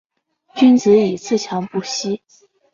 君子以自强不息